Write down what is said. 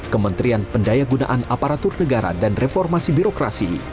kementerian pendayagunaan aparatur negara dan reformasi birokrasi